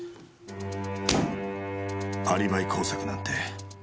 アリバイ工作なんて。